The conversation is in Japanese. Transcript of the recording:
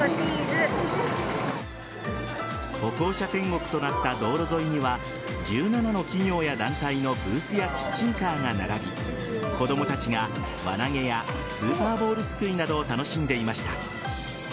歩行者天国となった道路沿いには１７の企業や団体のブースやキッチンカーが並び子供たちが輪投げやスーパーボールすくいなどを楽しんでいました。